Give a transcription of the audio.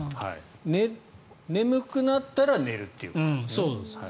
眠くなったら寝るっていうことですね。